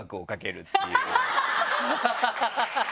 ハハハハ！